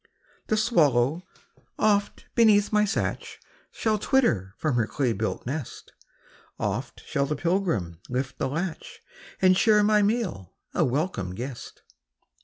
The swallow, oft, beneath my thatch, Shall twitter from her clay built nest; Oft shall the pilgrim lift the latch, And share my meal, a welcome guest.